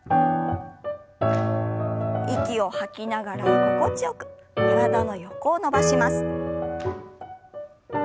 息を吐きながら心地よく体の横を伸ばします。